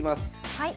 はい。